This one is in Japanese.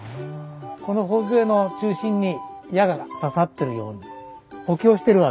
この頬杖の中心に矢が刺さってるように補強してるわけです。